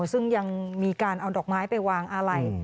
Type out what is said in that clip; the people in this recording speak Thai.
ซึ่งยังมีการเอาดอกไม้ไปวางอะไร